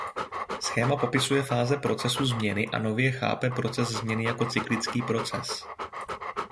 Schéma popisuje fáze procesu změny a nově chápe proces změny jako cyklický proces.